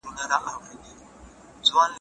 د تخنیکي پوهې له لاري کیفیت بهتریږي.